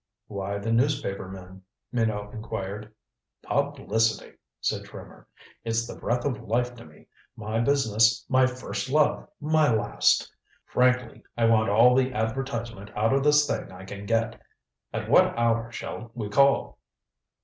"Why the newspaper men?" Minot inquired. "Publicity," said Trimmer. "It's the breath of life to me my business, my first love, my last. Frankly, I want all the advertisement out of this thing I can get. At what hour shall we call?"